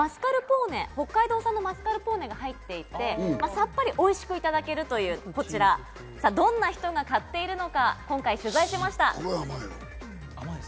北海道産のマスカルポーネが入っていて、さっぱりおいしくいただけるというこちら、どんな人が買っているのか、今回取材しました。